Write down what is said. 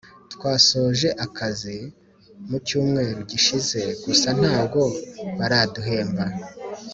Twasoje akazi mucyumwe gishize gusa ntabwo baraduhemba